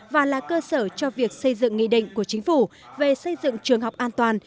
và là cơ sở cho việc xây dựng nghị định của chính phủ về xây dựng trường học an toàn